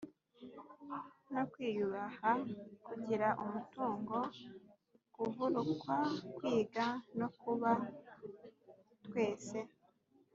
no kwiyubaha, kugira umutungo, kuvurwa, kwiga no kuba twese